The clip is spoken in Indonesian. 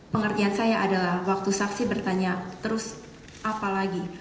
pengertian saya adalah waktu saksi bertanya terus apa lagi